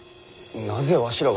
なぜわしらが。